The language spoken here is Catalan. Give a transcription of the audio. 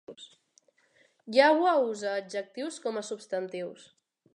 Yagua usa adjectius com a substantius.